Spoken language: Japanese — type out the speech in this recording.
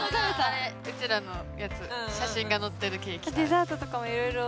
うちらのやつ写真が載ってるケーキ。